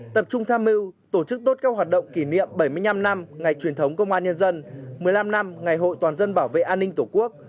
tập trung tham mưu tổ chức tốt các hoạt động kỷ niệm bảy mươi năm năm ngày truyền thống công an nhân dân một mươi năm năm ngày hội toàn dân bảo vệ an ninh tổ quốc